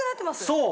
そう！